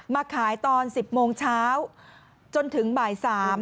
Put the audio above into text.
มาขายตอน๑๐โมงเช้าจนถึงบ่าย๓